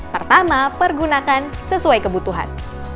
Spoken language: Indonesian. pertama pergunakan sesuai kebutuhan